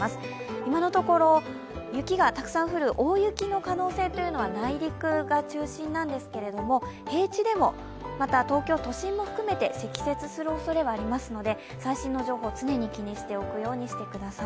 今のところ雪がたくさん降る大雪の可能性は内陸が中心ですが、平地でもまた東京都心も含めて積雪するおそれはありますので最新の情報を常に気にしておくようにしてください。